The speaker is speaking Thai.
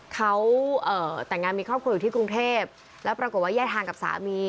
เขาแต่งงานมีครอบครัวอยู่ที่กรุงเทพแล้วปรากฏว่าแยกทางกับสามี